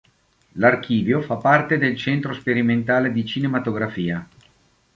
L'Archivio fa parte del Centro Sperimentale di Cinematografia.